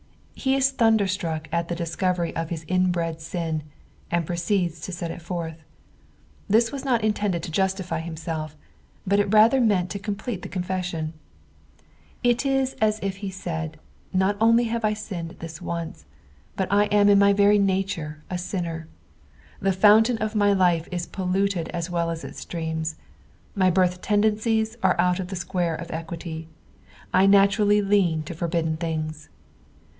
Tie is thunderstruck at the discovery of his inbred sin, and proceeds to set it forth. This was cot intended to justify himself, but it rather mtnnt to complete the uonfessiira. It is as it lie said, not only have I sinned this once, but I am in my very nature a sinner. The fountain of my life is polluted as well as its streams. My birth tendencies are out of the square of equity ; 1 naturally lean to forbidden things.